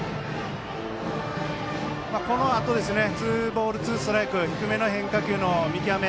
このあと、ツーボールツーストライク低めの変化球の見極め